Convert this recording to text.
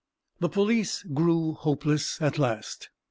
The police grew hopeless at last.